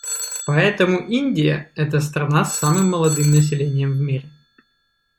Поэтому Индия — это страна с самым молодым населением в мире.